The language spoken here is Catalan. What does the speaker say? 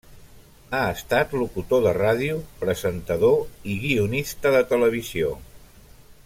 Ha estat locutor de ràdio, presentador i guionista de televisió.